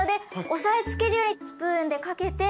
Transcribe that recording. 押さえつけるようにスプーンでかけて。